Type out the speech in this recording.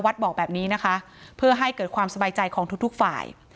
บอกแบบนี้นะคะเพื่อให้เกิดความสบายใจของทุกฝ่าย